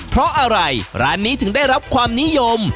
เพราะอะไรร้านนี้ถึงได้รับความนิยม